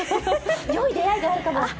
よい出会いがあるかもだって。